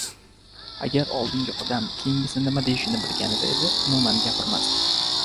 • Agar oldingi odam keyingisi nima deyishini bilganida edi, umuman gapirmasdi.